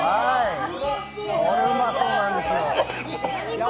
これうまそうなんですよ。